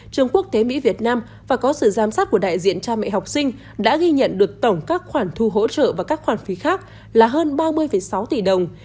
trường quốc tế mỹ việt nam và có sự giám sát của đại diện cha mẹ học sinh đã ghi nhận được tổng các khoản thu hỗ trợ và các khoản phí khác là hơn ba mươi sáu tỷ đồng